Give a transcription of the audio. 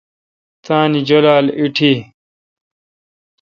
تانی جولال ایٹھی۔